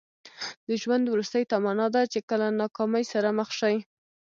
د ژوند وروستۍ تمنا ده چې کله ناکامۍ سره مخ شئ.